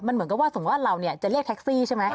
เหมือนกับว่าสมมุติว่าเราเนี่ยจะเรียกแท็กซี่ใช่ไหม